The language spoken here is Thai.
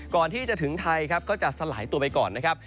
ก่อนที่จะถึงไทยครับก็จะสลายตัวไปก่อนนะครับ